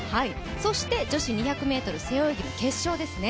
そして女子２００ｍ背泳ぎの決勝ですね。